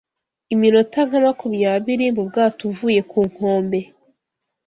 ’iminota nka makumyabiri mu bwato uvuye ku nkombe